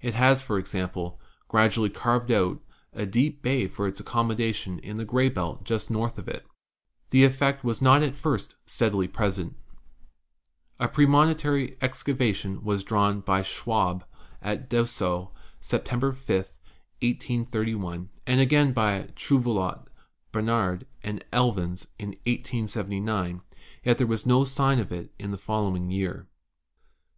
JUPITER 201 It has, for example, gradually carved out a deep bay for its accommodation in the gray belt just north of it. The effect was not at first steadily present. A premonitory excavation was drawn by Schwabe at Dessau, September 5, 183 1, and again by Trouvelot, Barnard and Elvins in 1879; yet there was no sign of it in the following year.